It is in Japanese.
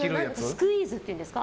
スクイ−ズっていうんですか。